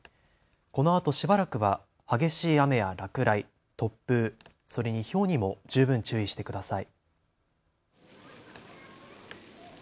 このあと、しばらくは激しい雨や落雷、突風、それにひょうにも十分注意してください。